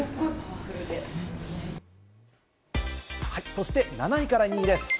そして７位から２位です。